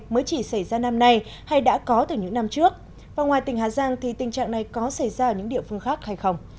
mới chỉ xảy ra năm nay hay đã có từ những năm trước và ngoài tỉnh hà giang thì tình trạng này có xảy ra ở những địa phương khác hay không